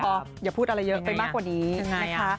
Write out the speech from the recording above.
พออย่าพูดอะไรเยอะไปมากกว่านี้นะคะ